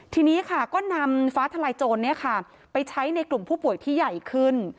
ทีนี้ค่ะก็นำฟ้าทลายโจรไปใช้ในกลุ่มผู้ป่วยที่ใหญ่ขึ้น